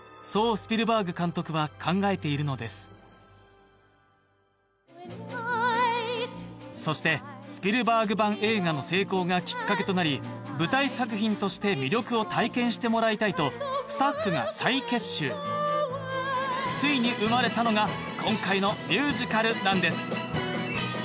スピルバーグ監督は考えているのですそしてスピルバーグ版映画の成功がきっかけとなり舞台作品として魅力を体験してもらいたいとスタッフが再結集ついに生まれたのが今回のミュージカルなんです